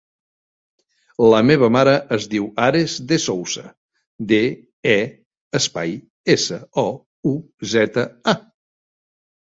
La meva mare es diu Ares De Souza: de, e, espai, essa, o, u, zeta, a.